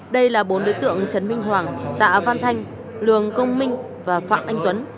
đây là bốn đối tượng trần minh hoàng tạ văn thanh lường công minh và phạm anh tuấn